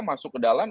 masuk ke dalam